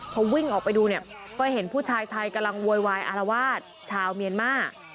พอวิ่งออกไปดูเนี่ยก็เห็นผู้ชายไทยกำลังโวยวายอารวาสชาวเมียนมา